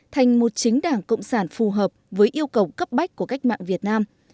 thành một chính đảng cộng sản phù hợp với yêu cầu cấp bách của cách mạng việt nam